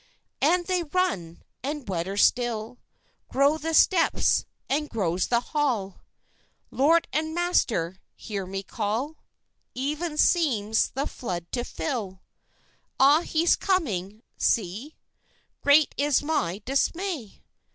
"And they run! and wetter still Grow the steps and grows the hall. Lord and master, hear me call! Ever seems the flood to fill. Ah, he's coming! see, Great is my dismay!